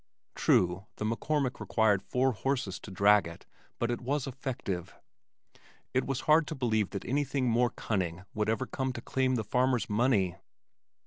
True the McCormick required four horses to drag it but it was effective. It was hard to believe that anything more cunning would ever come to claim the farmer's money.